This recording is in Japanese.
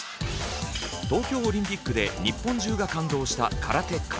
東京オリンピックで日本中が感動した空手形。